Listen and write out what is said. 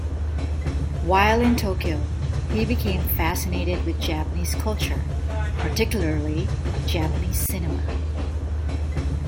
While in Tokyo, he became fascinated with Japanese culture, particularly Japanese cinema.